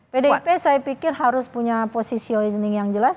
pdip saya pikir harus punya positioning yang jelas